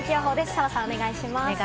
澤さん、お願いします。